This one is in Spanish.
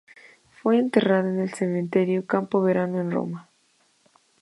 Fue enterrada en el Cementerio Campo Verano, en Roma.